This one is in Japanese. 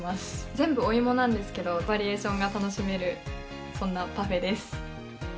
全部お芋なんですけれども、バリエーションが楽しめる、そんなパフェです。